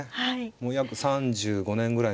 もう約３５年ぐらい前ですか。